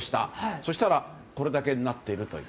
そしたらこれだけになっていると。